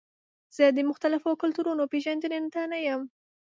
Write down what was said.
زه د مختلفو کلتورونو پیژندنې ته نه یم.